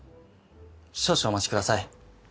少々お待ちください。